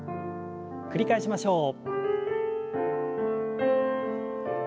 繰り返しましょう。